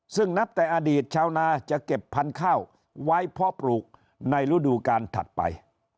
ซึ่งนับแต่อดีตชาวนาจะเก็บพันธุ์ข้าวไว้เพาะปลูกในฤดูการถัดไป